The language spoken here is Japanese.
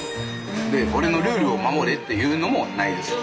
で俺のルールを守れっていうのもないです。